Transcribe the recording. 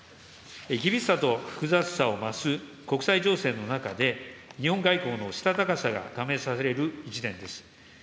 厳しさと複雑さを増す国際情勢の中で、日本外交のしたたかさが試される１年です。